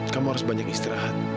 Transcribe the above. kamu harus banyak istirahat